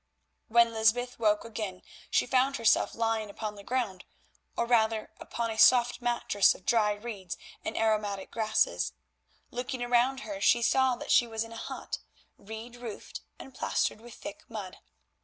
When Lysbeth woke again she found herself lying upon the ground, or rather upon a soft mattress of dry reeds and aromatic grasses. Looking round her she saw that she was in a hut, reed roofed and plastered with thick mud.